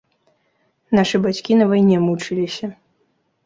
Нашы бацькі на вайне мучыліся.